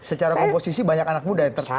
secara komposisi banyak anak muda yang tersambu